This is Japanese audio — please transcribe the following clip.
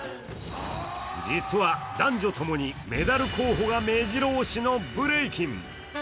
実は男女ともにメダル候補がめじろ押しのブレイキン。